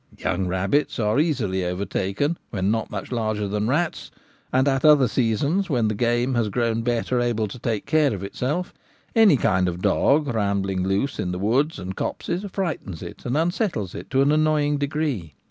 Young rabbits are easily overtaken when not much larger than rats, and at other seasons, when the game has grown better able to take care of itself, any kind of dog rambling loose in the woods and copses frightens it and unsettles it to an annoying degree.